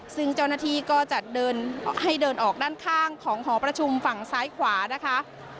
ซึ่งเจ้าหน้าที่ก็จะเดินให้เดินออกด้านข้างของหอประชุมฝั่งซ้ายขวานะคะ